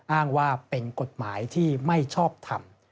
อ้างว่าเป็นกฎหมายที่ไม่ชอบทำ